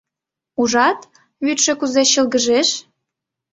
Ужат, вӱдшӧ кузе чылгыжеш.